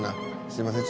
「すいません